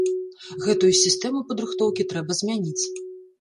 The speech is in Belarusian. Гэтую сістэму падрыхтоўкі трэба змяніць.